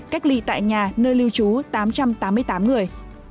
cách ly tại nhà nơi lưu trú tám trăm tám mươi tám người